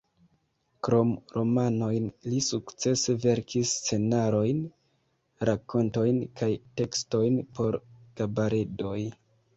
Krom romanojn li sukcese verkis scenarojn, rakontojn kaj tekstojn por kabaredoj.